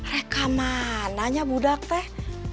reka mananya budak teh